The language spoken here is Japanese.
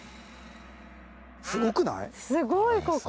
すごくない？